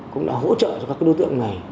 cũng đã hỗ trợ cho các đối tượng này